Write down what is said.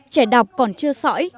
trẻ đọc còn chưa sỏi